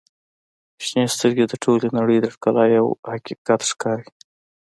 • شنې سترګې د ټولې نړۍ د ښکلا یوه حقیقت ښکاري.